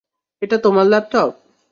এটা তোমার ল্যাপটপ?